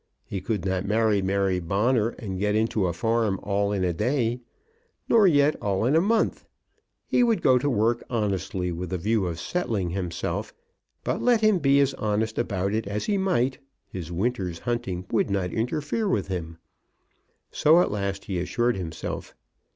He could not marry Mary Bonner and get into a farm all in a day, nor yet all in a month. He would go to work honestly with the view of settling himself; but let him be as honest about it as he might, his winter's hunting would not interfere with him. So at last he assured himself.